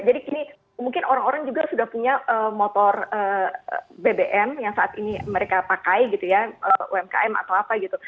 jadi mungkin orang orang juga sudah punya motor bbm yang saat ini mereka pakai gitu ya umkm atau apa gitu